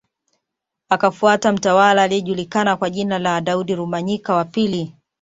Akafuata mtawala aliyejulikana kwa jina la Daudi Rumanyika wa pili